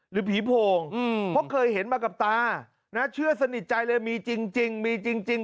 หรือผีโพงเพราะเคยเห็นมากับตานะเชื่อสนิทใจเลยมีจริงมีจริง